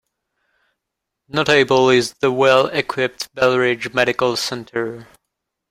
Notable is the well equipped Belridge Medical Centre.